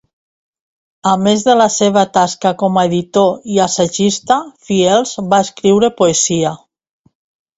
A més de la seva tasca com a editor i assagista, Fields va escriure poesia.